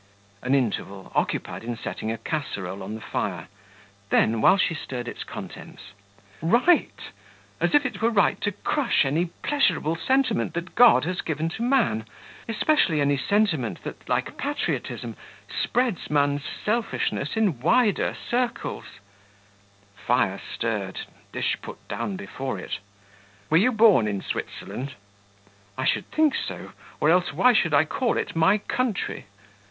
(An interval occupied in settling a casserole on the fire; then, while she stirred its contents:) "Right! as if it were right to crush any pleasurable sentiment that God has given to man, especially any sentiment that, like patriotism, spreads man's selfishness in wider circles" (fire stirred, dish put down before it). "Were you born in Switzerland?" "I should think so, or else why should I call it my country?"